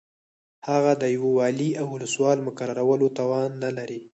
هغه د یو والي او ولسوال د مقررولو توان نه لري.